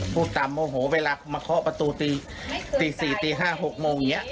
พูดตามโอโหเวลามาเคาะประตูตีตีสี่ตีห้าหกโมงเงี้ย